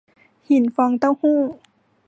หินฟองเต้าหู้